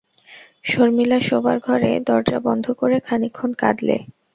শর্মিলা শোবার ঘরে দরজা বন্ধ করে খানিকক্ষণ কাঁদলে।